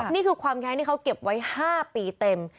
นี่คือความแค้นที่เขาเก็บไว้๕ปีเต็ม